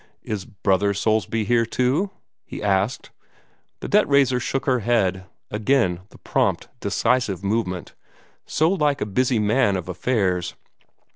"Is Brother Soulsby here, too?" he asked. The debt raiser shook her head again the prompt, decisive movement, so like a busy man of affairs.